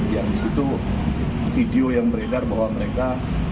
yang di situ video yang beredar bahwa mereka